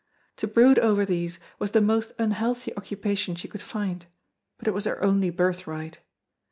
To brood over these was the most unhealthy occupation she could find, but it was her only birthright.